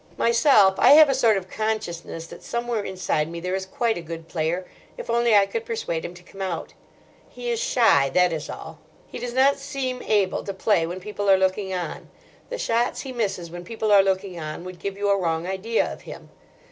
Myself I have a sort of consciousness that somewhere inside me there is quite a good player, if only I could persuade him to come out. He is shy, that is all. He does not seem able to play when people are looking on. The shots he misses when people are looking on would give you a wrong idea of him.